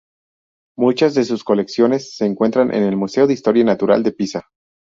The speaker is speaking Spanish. Muchas de sus colecciones se encuentran en el Museo de Historia Natural de Pisa.